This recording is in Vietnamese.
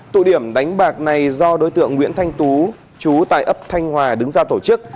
tụ điểm đánh bạc này do đối tượng nguyễn thanh tú chú tại ấp thanh hòa đứng ra tổ chức